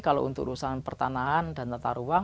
kalau untuk urusan pertanahan dan tata ruang